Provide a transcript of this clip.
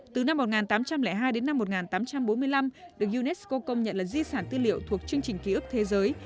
từ năm một nghìn tám trăm linh hai đến năm một nghìn tám trăm bốn mươi năm được unesco công nhận là di sản tư liệu thuộc chương trình ký ức thế giới